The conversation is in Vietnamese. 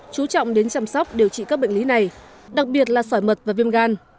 chú trọng đến chăm sóc điều trị các bệnh lý này đặc biệt là sỏi mật và viêm gan